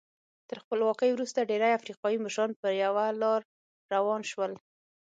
تر خپلواکۍ وروسته ډېری افریقایي مشران په یوه لار روان شول.